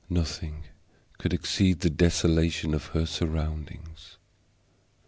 Nothing could exceed the desolation of her surroundings.